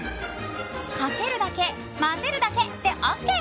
かけるだけ、混ぜるだけでＯＫ！